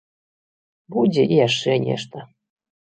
Будзе і яшчэ нешта.